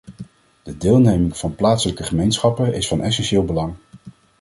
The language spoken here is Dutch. De deelneming van plaatselijke gemeenschappen is van essentieel belang.